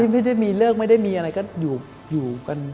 ไม่ได้มีเลิกไม่ได้มีอะไรก็อยู่กัน